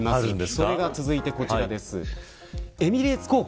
それが、続いてこちらです。